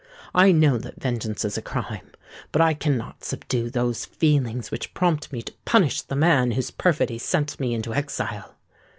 I know that vengeance is a crime; but I cannot subdue those feelings which prompt me to punish the man whose perfidy sent me into exile.